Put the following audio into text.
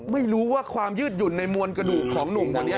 ไม่รู้ว่าความยืดหยุ่นในมวลกระดูกของหนุ่มคนนี้